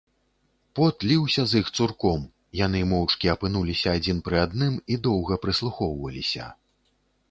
Пот ліўся з іх цурком, яны моўчкі апынуліся адзін пры адным і доўга прыслухоўваліся.